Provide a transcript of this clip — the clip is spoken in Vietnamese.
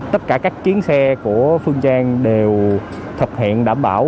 tất cả các chiến xe của phương trang đều thực hiện đảm bảo